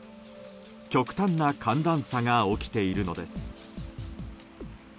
極端な寒暖差が起きているのです。